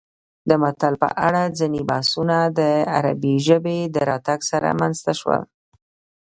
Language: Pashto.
د متل په اړه ځینې بحثونه د عربي ژبې د راتګ سره رامنځته شول